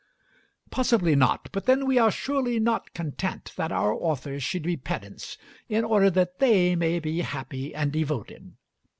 Possibly not; but then we are surely not content that our authors should be pedants in order that they may be happy and devoted.